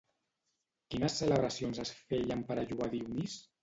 Quines celebracions es feien per a lloar Dionís?